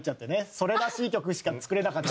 それらしい曲しか作れなかった。